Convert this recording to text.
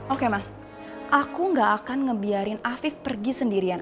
oke ma aku gak akan membiarkan afif pergi sendirian